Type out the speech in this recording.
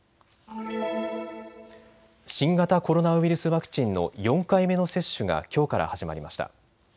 新型コロナウイルスワクチンの４回目の接種がきょうから始まりました。